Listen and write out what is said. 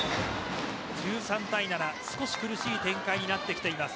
１３対７少し苦しい展開になってきています。